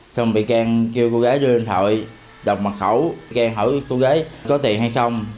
xong rồi vị can kêu cô gái đưa điện thoại đọc mật khẩu vị can hỏi cô gái có tiền hay không